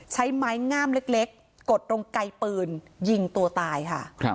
ใช้ไม้งามเล็กกดตรงไกลปืนยิงตัวตายค่ะ